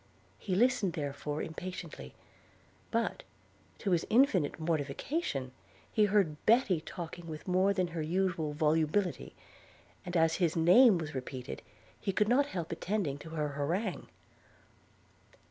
He listened therefore impatiently; but, to his infinite mortification, heard Betty talking with more than her usual volubility; and as his name was repeated, he could not help attending to her harangue.